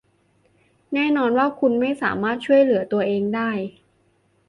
แน่นอนว่าคุณไม่สามารถช่วยเหลือตัวเองได้